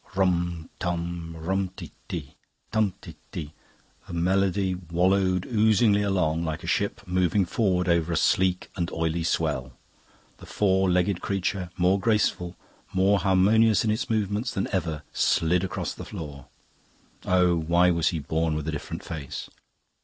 "Rum; Tum; Rum ti ti; Tum ti ti..." The melody wallowed oozily along, like a ship moving forward over a sleek and oily swell. The four legged creature, more graceful, more harmonious in its movements than ever, slid across the floor. Oh, why was he born with a different face?